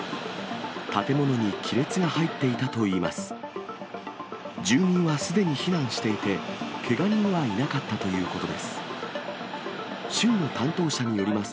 建物に亀裂が入っていたといいます。